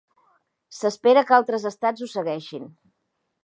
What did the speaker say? S'espera que altres estats ho segueixin.